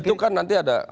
itu kan nanti ada